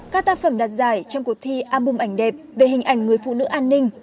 các tác phẩm đạt giải trong cuộc thi album ảnh đẹp về hình ảnh người phụ nữ an ninh